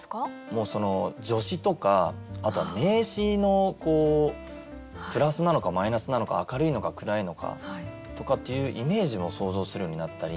もうその助詞とかあとは名詞のプラスなのかマイナスなのか明るいのか暗いのかとかっていうイメージも想像するようになったり。